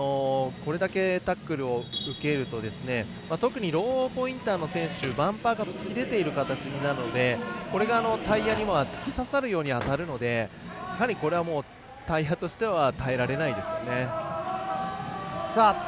これだけタックルを受けると特にローポインターの選手バンパーが突き出ている形なのでこれがタイヤに突き刺さるように当たるので、やはりこれはタイヤとしては耐えられないですよね。